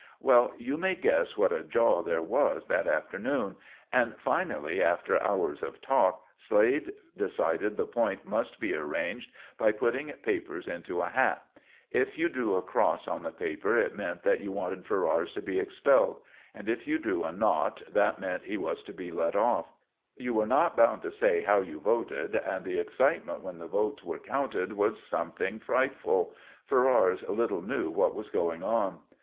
Well, you may guess what a jaw there was that afternoon; and finally, after hours of talk, Slade decided the point must be arranged by putting papers into a hat. If you drew a cross on the paper it meant that you wanted Ferrars to be expelled; and if you drew a naught, that meant he was to be let off. You were not bound to say how you voted, and the excitement when the votes were counted was something frightful. Ferrars little knew what was going on.